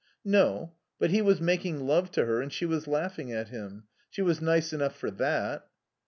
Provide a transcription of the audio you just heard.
"No. But he was making love to her, and she was laughing at him. She was nice enough for that."